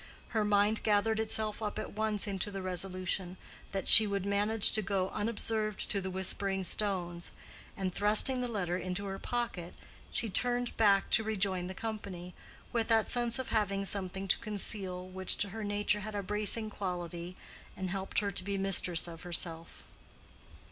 Her mind gathered itself up at once into the resolution, that she would manage to go unobserved to the Whispering Stones; and thrusting the letter into her pocket she turned back to rejoin the company, with that sense of having something to conceal which to her nature had a bracing quality and helped her to be mistress of herself.